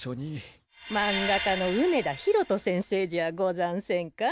まんがかの梅田博人先生じゃござんせんか。